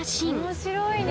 面白いね。